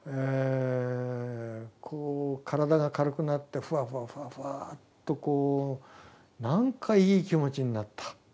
こう体が軽くなってフワフワフワフワーッとこうなんかいい気持ちになった。